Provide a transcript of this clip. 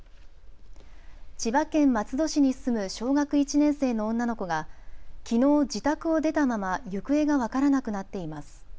千葉県松戸市に住む小学１年生の女の子が、きのう自宅を出たまま行方が分からなくなっています。